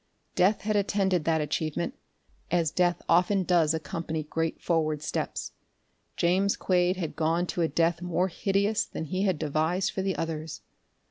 Death had attended that achievement, as death often does accompany great forward steps; James Quade had gone to a death more hideous than that he devised for the others.